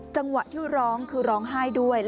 จังหวะที่ร้องคือร้องไห้ด้วย